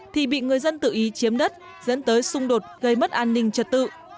thì bị người dân tự ý chiếm đất dẫn tới xung đột gây mất an ninh trật tự